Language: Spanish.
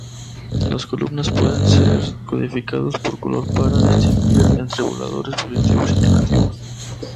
Las columnas pueden ser codificados por color para distinguir entre valores positivos y negativos.